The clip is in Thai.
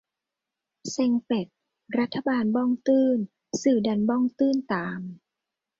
เซ็งเป็ด รัฐบาลบ้องตื้น สื่อดันบ้องตื้นตาม -_